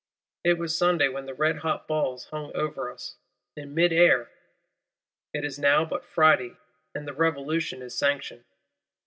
It was Sunday when the red hot balls hung over us, in mid air: it is now but Friday, and "the Revolution is sanctioned."